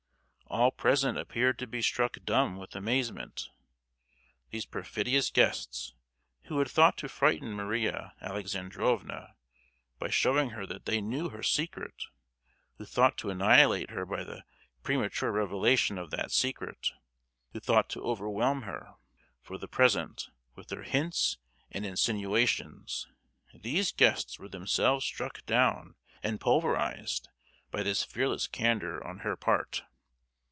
All present appeared to be struck dumb with amazement. These perfidious guests, who had thought to frighten Maria Alexandrovna by showing her that they knew her secret; who thought to annihilate her by the premature revelation of that secret; who thought to overwhelm her, for the present, with their hints and insinuations; these guests were themselves struck down and pulverized by this fearless candour on her part!